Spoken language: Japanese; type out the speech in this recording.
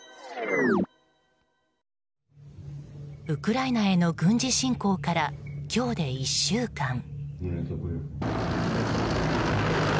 ウクライナへの軍事侵攻から今日で１週間。